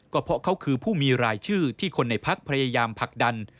ก็เพราะเขาคือผู้มีรายชื่อที่คนในพักพยายามผลักดัน